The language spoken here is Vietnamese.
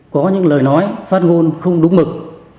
có những lời nói phát ngôn không đúng mực